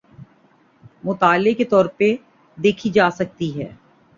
مطالعے کے طور پہ دیکھی جا سکتی ہیں۔